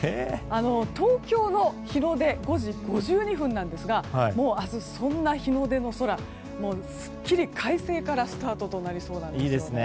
東京の日の出５時５２分なんですがもう明日そんな日の出の空すっきり快晴からスタートとなりそうなんです。